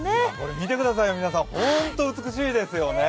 見てくださいよ、皆さん本当美しいですよね。